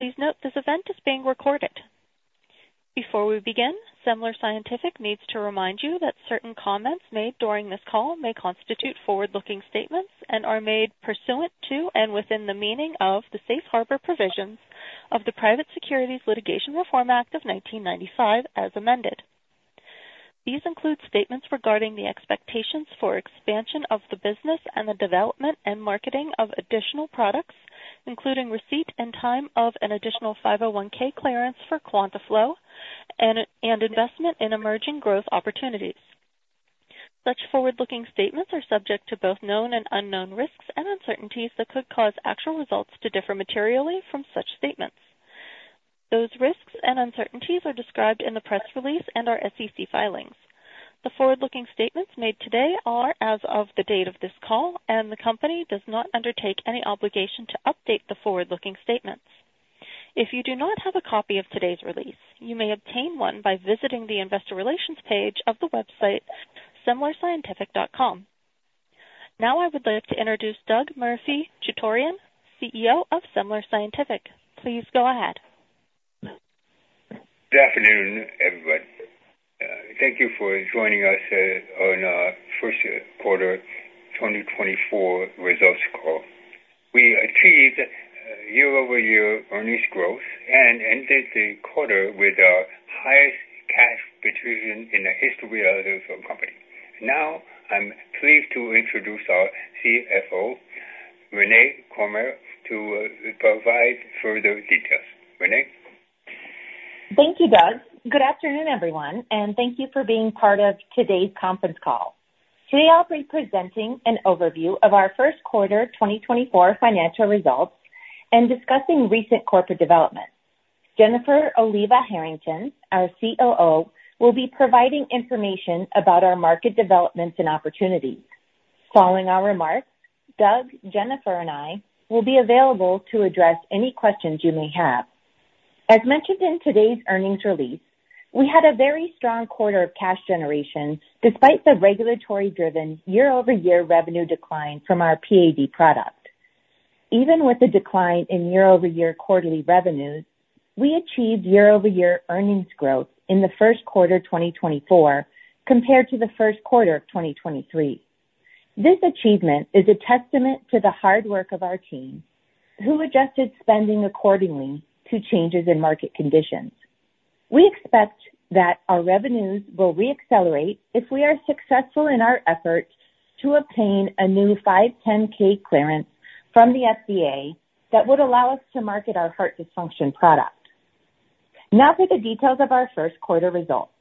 Please note, this event is being recorded. Before we begin, Semler Scientific needs to remind you that certain comments made during this call may constitute forward-looking statements and are made pursuant to and within the meaning of the Safe Harbor Provisions of the Private Securities Litigation Reform Act of 1995, as amended. These include statements regarding the expectations for expansion of the business and the development and marketing of additional products, including receipt and time of an additional 510(k) clearance for QuantaFlo, and investment in emerging growth opportunities. Such forward-looking statements are subject to both known and unknown risks and uncertainties that could cause actual results to differ materially from such statements. Those risks and uncertainties are described in the press release and our SEC filings. The forward-looking statements made today are as of the date of this call, and the company does not undertake any obligation to update the forward-looking statements. If you do not have a copy of today's release, you may obtain one by visiting the investor relations page of the website, semlerscientific.com. Now, I would like to introduce Doug Murphy-Chutorian, CEO of Semler Scientific. Please go ahead. Good afternoon, everybody. Thank you for joining us on our first quarter 2024 results call. We achieved year-over-year earnings growth and ended the quarter with the highest cash position in the history of the company. Now, I'm pleased to introduce our CFO, Renae Cormier, to provide further details. Renae? Thank you, Doug. Good afternoon, everyone, and thank you for being part of today's conference call. We are presenting an overview of our first quarter 2024 financial results and discussing recent corporate developments. Jennifer Oliva-Herrington, our COO, will be providing information about our market developments and opportunities. Following our remarks, Doug, Jennifer and I will be available to address any questions you may have. As mentioned in today's earnings release, we had a very strong quarter of cash generation despite the regulatory-driven year-over-year revenue decline from our PAD product. Even with the decline in year-over-year quarterly revenues, we achieved year-over-year earnings growth in the first quarter 2024, compared to the first quarter of 2023. This achievement is a testament to the hard work of our team, who adjusted spending accordingly to changes in market conditions. We expect that our revenues will reaccelerate if we are successful in our efforts to obtain a new 510(k) clearance from the FDA that would allow us to market our heart dysfunction product. Now for the details of our first quarter results.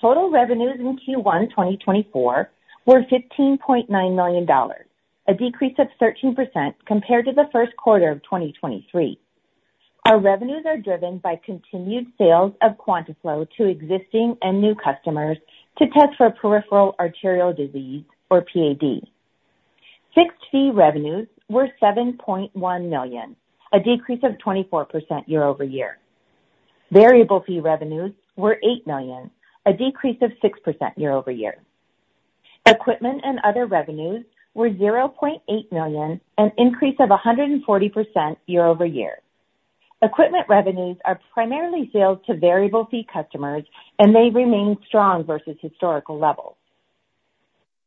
Total revenues in Q1 2024 were $15.9 million, a decrease of 13% compared to the first quarter of 2023. Our revenues are driven by continued sales of QuantaFlo to existing and new customers to test for peripheral arterial disease, or PAD. Fixed fee revenues were $7.1 million, a decrease of 24% year-over-year. Variable fee revenues were $8 million, a decrease of 6% year-over-year. Equipment and other revenues were $0.8 million, an increase of 140% year-over-year. Equipment revenues are primarily sold to variable fee customers, and they remain strong versus historical levels.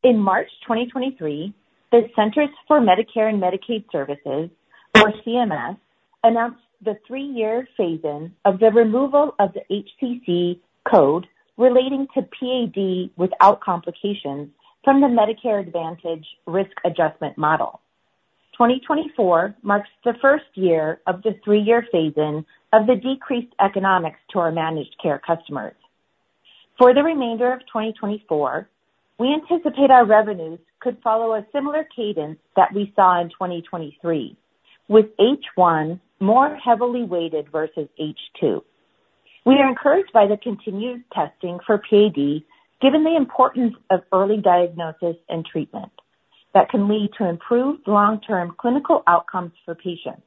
In March 2023, the Centers for Medicare & Medicaid Services, or CMS, announced the 3-year phase-in of the removal of the HCC code relating to PAD without complications from the Medicare Advantage Risk Adjustment Model. 2024 marks the first year of the 3-year phase-in of the decreased economics to our managed care customers. For the remainder of 2024, we anticipate our revenues could follow a similar cadence that we saw in 2023, with H1 more heavily weighted versus H2. We are encouraged by the continued testing for PAD, given the importance of early diagnosis and treatment that can lead to improved long-term clinical outcomes for patients.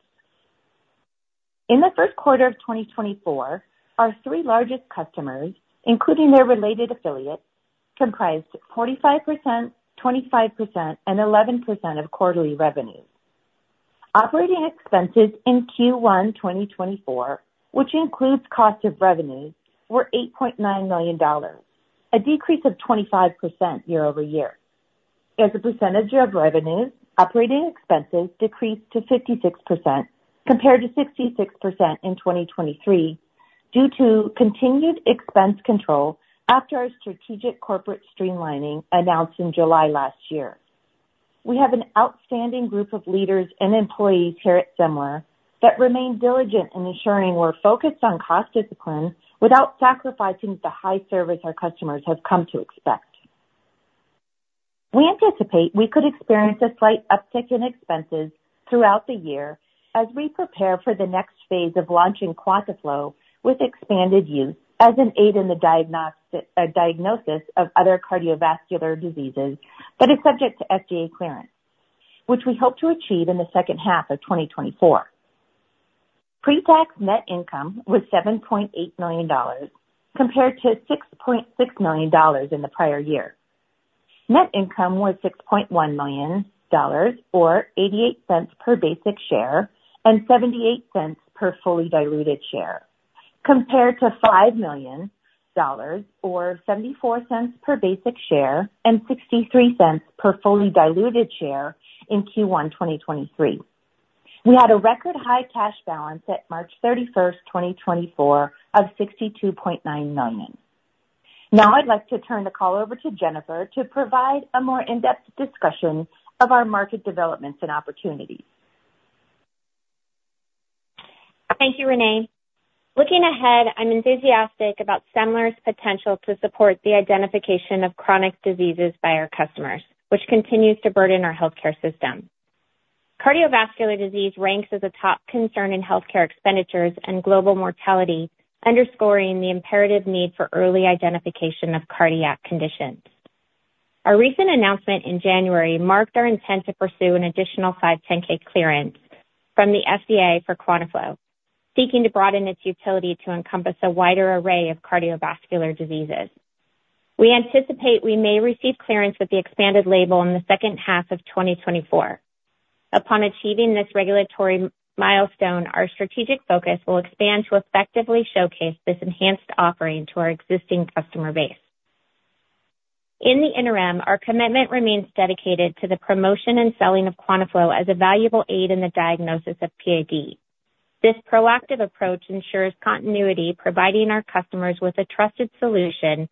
In the first quarter of 2024, our three largest customers, including their related affiliates, comprised 45%, 25%, and 11% of quarterly revenues. Operating expenses in Q1 2024, which includes cost of revenues, were $8.9 million, a decrease of 25% year-over-year. As a percentage of revenues, operating expenses decreased to 56%, compared to 66% in 2023, due to continued expense control after our strategic corporate streamlining announced in July last year. We have an outstanding group of leaders and employees here at Semler that remain diligent in ensuring we're focused on cost discipline without sacrificing the high service our customers have come to expect. We anticipate we could experience a slight uptick in expenses throughout the year as we prepare for the next phase of launching QuantaFlo with expanded use as an aid in the diagnosis of other cardiovascular diseases, but is subject to FDA clearance, which we hope to achieve in the second half of 2024. Pre-tax net income was $7.8 million, compared to $6.6 million in the prior year. Net income was $6.1 million, or $0.88 per basic share, and $0.78 per fully diluted share, compared to $5 million, or $0.74 per basic share and $0.63 per fully diluted share in Q1 2023. We had a record high cash balance at March 31, 2024 of $62.9 million. Now I'd like to turn the call over to Jennifer to provide a more in-depth discussion of our market developments and opportunities. Thank you, Renae. Looking ahead, I'm enthusiastic about Semler's potential to support the identification of chronic diseases by our customers, which continues to burden our healthcare system. Cardiovascular disease ranks as a top concern in healthcare expenditures and global mortality, underscoring the imperative need for early identification of cardiac conditions. Our recent announcement in January marked our intent to pursue an additional 510(k) clearance from the FDA for QuantaFlo, seeking to broaden its utility to encompass a wider array of cardiovascular diseases. We anticipate we may receive clearance with the expanded label in the second half of 2024. Upon achieving this regulatory milestone, our strategic focus will expand to effectively showcase this enhanced offering to our existing customer base. In the interim, our commitment remains dedicated to the promotion and selling of QuantaFlo as a valuable aid in the diagnosis of PAD. This proactive approach ensures continuity, providing our customers with a trusted solution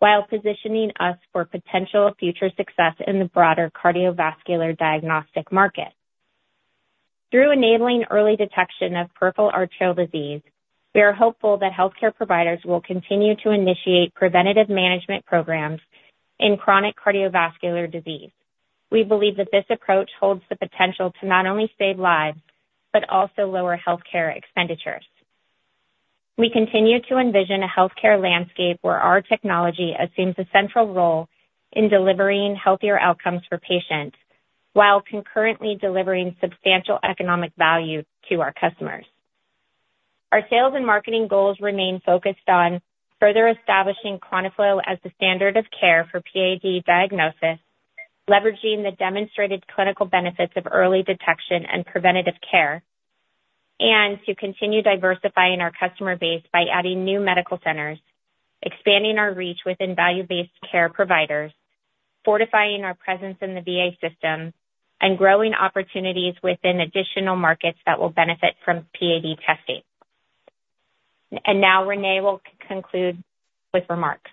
while positioning us for potential future success in the broader cardiovascular diagnostic market. Through enabling early detection of peripheral arterial disease, we are hopeful that healthcare providers will continue to initiate preventative management programs in chronic cardiovascular disease. We believe that this approach holds the potential to not only save lives, but also lower healthcare expenditures. We continue to envision a healthcare landscape where our technology assumes a central role in delivering healthier outcomes for patients, while concurrently delivering substantial economic value to our customers. Our sales and marketing goals remain focused on further establishing QuantaFlo as the standard of care for PAD diagnosis, leveraging the demonstrated clinical benefits of early detection and preventative care, and to continue diversifying our customer base by adding new medical centers, expanding our reach within value-based care providers, fortifying our presence in the VA system, and growing opportunities within additional markets that will benefit from PAD testing. And now Renae will conclude with remarks.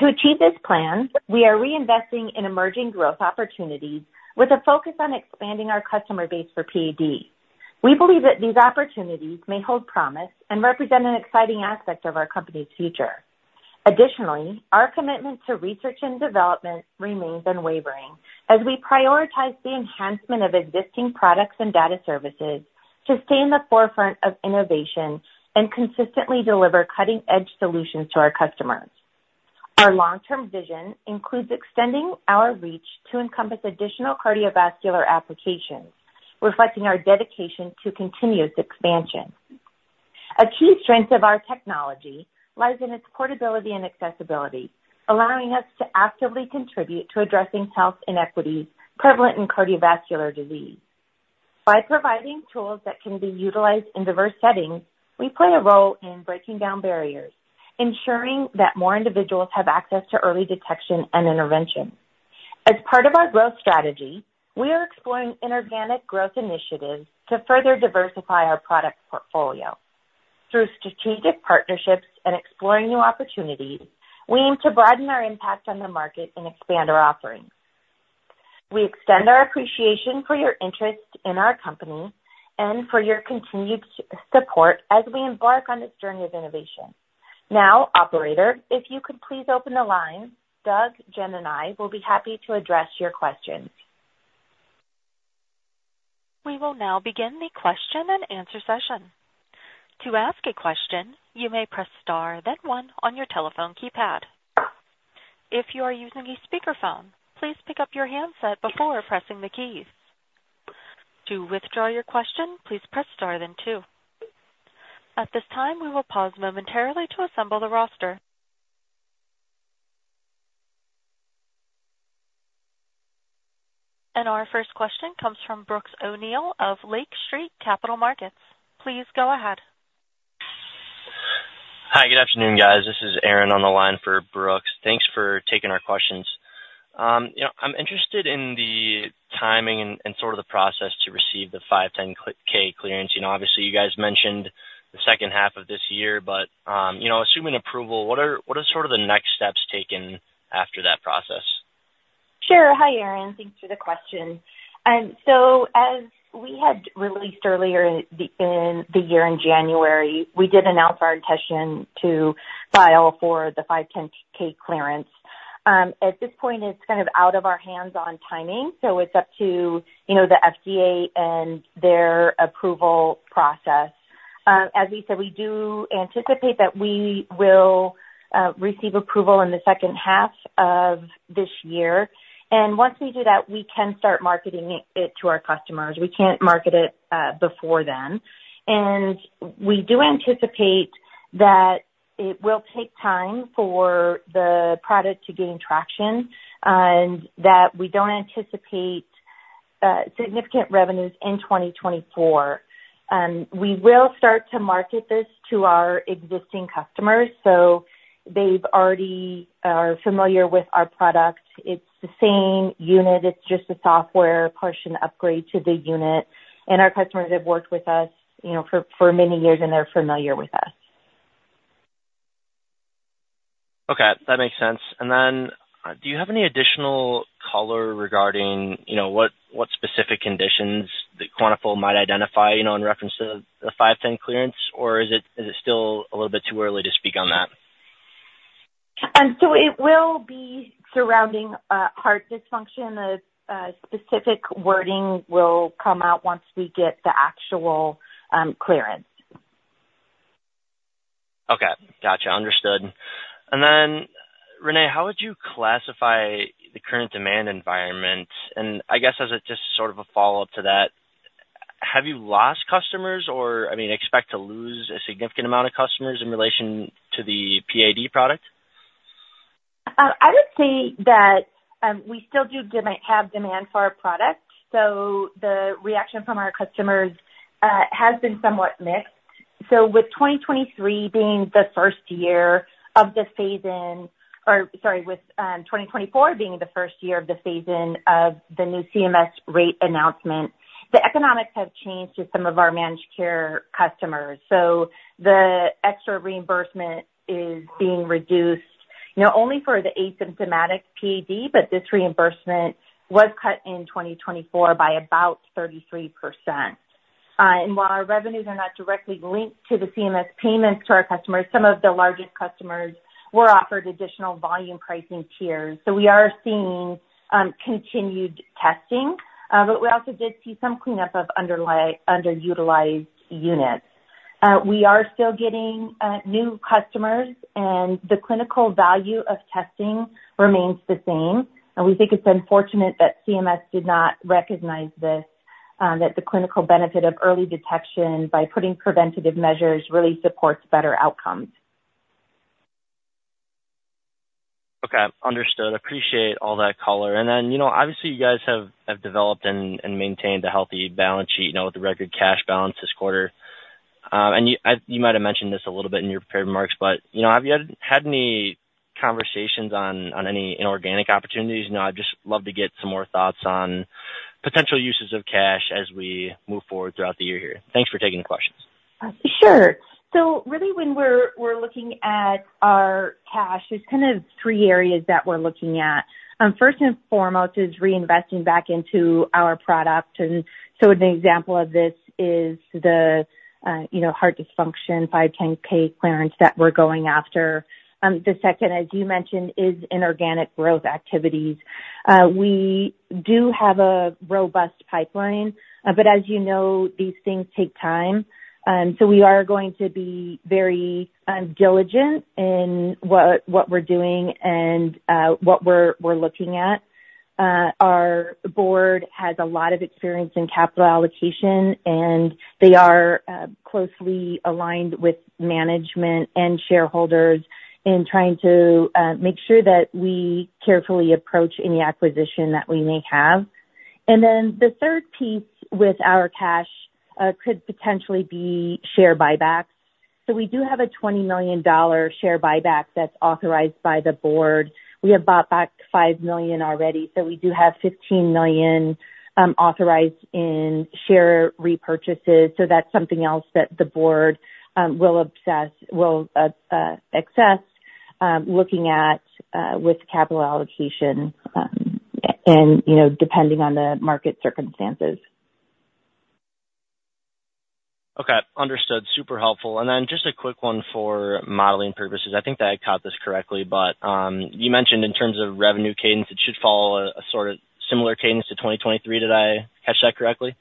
To achieve this plan, we are reinvesting in emerging growth opportunities with a focus on expanding our customer base for PAD. We believe that these opportunities may hold promise and represent an exciting aspect of our company's future. Additionally, our commitment to research and development remains unwavering as we prioritize the enhancement of existing products and data services to stay in the forefront of innovation and consistently deliver cutting-edge solutions to our customers. Our long-term vision includes extending our reach to encompass additional cardiovascular applications, reflecting our dedication to continuous expansion. A key strength of our technology lies in its portability and accessibility, allowing us to actively contribute to addressing health inequities prevalent in cardiovascular disease. By providing tools that can be utilized in diverse settings, we play a role in breaking down barriers, ensuring that more individuals have access to early detection and intervention. As part of our growth strategy, we are exploring inorganic growth initiatives to further diversify our product portfolio. Through strategic partnerships and exploring new opportunities, we aim to broaden our impact on the market and expand our offerings. We extend our appreciation for your interest in our company and for your continued support as we embark on this journey of innovation. Now, operator, if you could please open the line. Doug, Jen, and I will be happy to address your questions. We will now begin the question and answer session. To ask a question, you may press star, then one on your telephone keypad. If you are using a speakerphone, please pick up your handset before pressing the keys. To withdraw your question, please press star then two. At this time, we will pause momentarily to assemble the roster. Our first question comes from Brooks O'Neil of Lake Street Capital Markets. Please go ahead. Hi, good afternoon, guys. This is Aaron on the line for Brooks. Thanks for taking our questions. You know, I'm interested in the timing and sort of the process to receive the 510(k) clearance. You know, obviously, you guys mentioned the second half of this year, but, you know, assuming approval, what are sort of the next steps taken after that process? Sure. Hi, Aaron. Thanks for the question. So as we had released earlier in the year in January, we did announce our intention to file for the 510(k) clearance. At this point, it's kind of out of our hands on timing, so it's up to, you know, the FDA and their approval process. As we said, we do anticipate that we will receive approval in the second half of this year.... And once we do that, we can start marketing it to our customers. We can't market it before then. And we do anticipate that it will take time for the product to gain traction, and that we don't anticipate significant revenues in 2024. We will start to market this to our existing customers, so they've already are familiar with our product. It's the same unit, it's just a software portion upgrade to the unit. And our customers have worked with us, you know, for many years, and they're familiar with us. Okay, that makes sense. And then, do you have any additional color regarding, you know, what specific conditions that QuantaFlo might identify, you know, in reference to the 510(k) clearance? Or is it still a little bit too early to speak on that? It will be surrounding heart dysfunction. The specific wording will come out once we get the actual clearance. Okay. Gotcha, understood. And then, Renae, how would you classify the current demand environment? And I guess as a just sort of a follow-up to that, have you lost customers or, I mean, expect to lose a significant amount of customers in relation to the PAD product? I would say that we still have demand for our product, so the reaction from our customers has been somewhat mixed. So with 2024 being the first year of the phase-in of the new CMS rate announcement, the economics have changed to some of our managed care customers. So the extra reimbursement is being reduced, you know, only for the asymptomatic PAD, but this reimbursement was cut in 2024 by about 33%. And while our revenues are not directly linked to the CMS payments to our customers, some of the largest customers were offered additional volume pricing tiers. So we are seeing continued testing, but we also did see some cleanup of underutilized units. We are still getting new customers, and the clinical value of testing remains the same. We think it's unfortunate that CMS did not recognize this, that the clinical benefit of early detection by putting preventative measures really supports better outcomes. Okay, understood. Appreciate all that color. And then, you know, obviously, you guys have developed and maintained a healthy balance sheet, you know, with the record cash balance this quarter. And you might have mentioned this a little bit in your prepared remarks, but, you know, have you had any conversations on any inorganic opportunities? You know, I'd just love to get some more thoughts on potential uses of cash as we move forward throughout the year here. Thanks for taking the questions. Sure. So really, when we're looking at our cash, there's kind of three areas that we're looking at. First and foremost, is reinvesting back into our product. And so an example of this is the, you know, heart dysfunction 510(k) clearance that we're going after. The second, as you mentioned, is inorganic growth activities. We do have a robust pipeline, but as you know, these things take time. So we are going to be very diligent in what we're doing and what we're looking at. Our board has a lot of experience in capital allocation, and they are closely aligned with management and shareholders in trying to make sure that we carefully approach any acquisition that we may have. And then the third piece with our cash could potentially be share buybacks. So we do have a $20 million share buyback that's authorized by the board. We have bought back $5 million already, so we do have $15 million authorized in share repurchases. So that's something else that the board will assess looking at with capital allocation, and you know, depending on the market circumstances. Okay, understood. Super helpful. And then just a quick one for modeling purposes. I think that I caught this correctly, but you mentioned in terms of revenue cadence, it should follow a sort of similar cadence to 2023. Did I catch that correctly?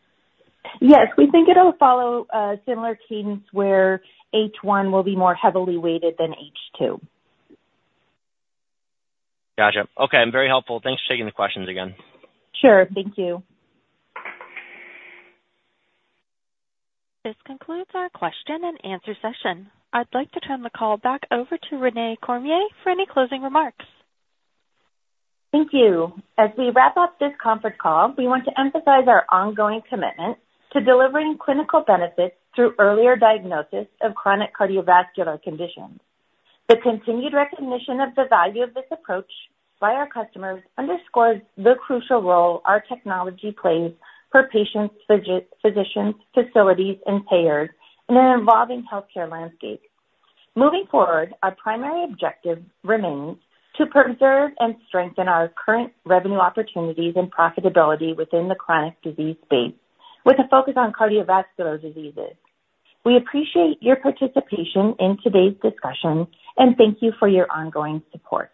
Yes. We think it'll follow a similar cadence where H1 will be more heavily weighted than H2. Gotcha. Okay, very helpful. Thanks for taking the questions again. Sure. Thank you. This concludes our question-and-answer session. I'd like to turn the call back over to Renae Cormier for any closing remarks. Thank you. As we wrap up this conference call, we want to emphasize our ongoing commitment to delivering clinical benefits through earlier diagnosis of chronic cardiovascular conditions. The continued recognition of the value of this approach by our customers underscores the crucial role our technology plays for patients, physicians, facilities, and payers in an evolving healthcare landscape. Moving forward, our primary objective remains to preserve and strengthen our current revenue opportunities and profitability within the chronic disease space, with a focus on cardiovascular diseases. We appreciate your participation in today's discussion, and thank you for your ongoing support.